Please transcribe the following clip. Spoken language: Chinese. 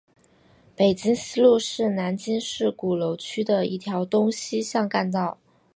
北京西路是南京市鼓楼区的一条东西向干道。